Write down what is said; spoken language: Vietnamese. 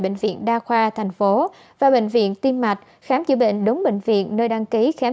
bệnh viện đa khoa thành phố và bệnh viện tim mạch khám chữa bệnh đúng bệnh viện nơi đăng ký khám